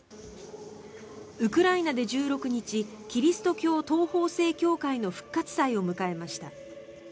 ウクライナで１６日キリスト教東方正教会の復活祭を迎えました。